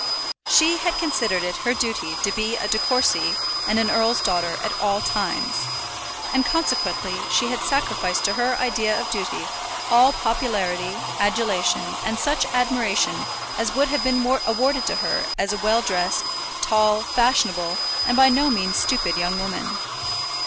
She had considered it her duty to be a De Courcy and an earl's daughter at all times; and consequently she had sacrificed to her idea of duty all popularity, adulation, and such admiration as would have been awarded to her as a well dressed, tall, fashionable, and by no means stupid young woman.